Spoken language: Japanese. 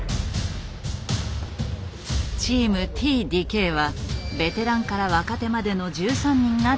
チームＴ・ＤＫはベテランから若手までの１３人が中心メンバー。